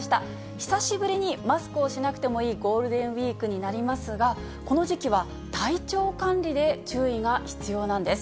久しぶりにマスクをしなくてもいいゴールデンウィークになりますが、この時期は体調管理で注意が必要なんです。